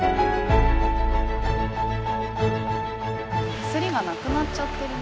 手すりがなくなっちゃってるね。